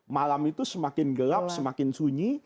malam itu semakin gelap semakin sunyi